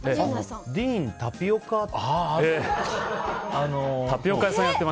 ディーンタピオカって。